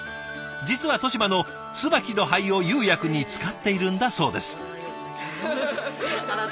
実は利島の椿の灰を釉薬に使っているんだそうです。